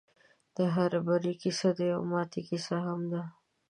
د هر بري کيسه د يوې ماتې کيسه هم ده.